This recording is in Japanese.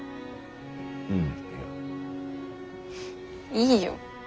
いいよ。